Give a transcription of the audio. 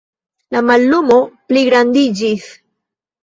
La mallumo pligrandiĝis.